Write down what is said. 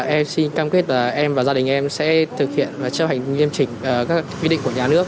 em xin cam kết là em và gia đình em sẽ thực hiện và chấp hành nghiêm chỉnh các quy định của nhà nước